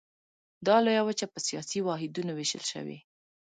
دا لویه وچه په سیاسي واحدونو ویشل شوې.